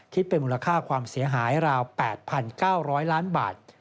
คิดเป็นมูลค่าความเสียหายราว๘๙๐๐ล้านบาท